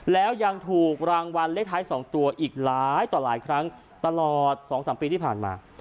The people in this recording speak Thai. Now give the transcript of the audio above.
แล้วยังถูกรางวัลเลขท้าย๒ตัวอีกหลายต่อหลายครั้งตลอด๒๓ปีที่ผ่านมา